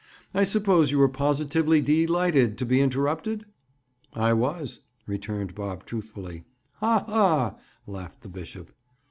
"I suppose you were positively dee lighted to be interrupted?" "I was," returned Bob truthfully. "Ha! ha!" laughed the bishop.